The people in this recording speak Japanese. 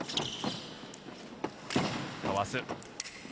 かわす。